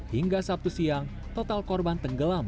hingga sabtu siang total korban tenggelam